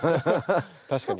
確かに。